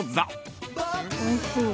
おいしい。